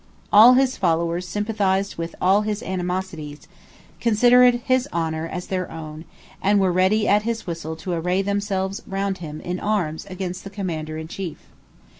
All his followers sympathized with all his animosities, considered his honour as their own, and were ready at his whistle to array themselves round him in arms against the commander in chief.